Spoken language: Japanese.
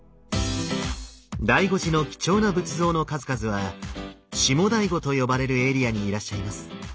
醍醐寺の貴重な仏像の数々は下醍醐と呼ばれるエリアにいらっしゃいます。